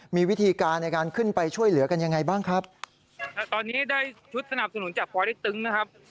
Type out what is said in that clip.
มีวิธีการในการขึ้นไปช่วยเหลือกันยังไงบ้างครับตอนนี้ได้ชุดสนับสนุนจากปอเล็กตึงนะครับ